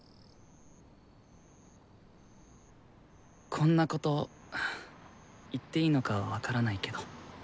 こんなこと言っていいのか分からないけど。